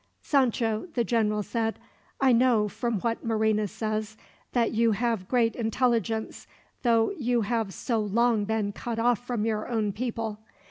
"Sancho," the general said; "I know, from what Marina says, that you have great intelligence, though you have so long been cut off from your own people.